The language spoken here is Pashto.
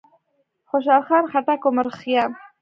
خوشحال خان خټک، عمر خيام،